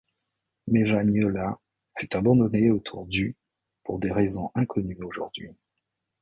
Mevaniola fut abandonnée autour du - pour des raisons inconnues aujourd’hui.